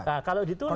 nah kalau ditunda